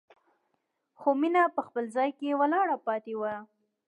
خو مينه په خپل ځای کې ولاړه پاتې وه.